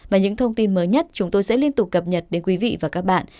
và những thông tin mới nhất chúng tôi sẽ liên tục cập nhật đến quý vị và các bạn